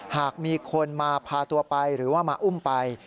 หากมีคนมาพาตัวไปหรือว่ามาอุ้มไป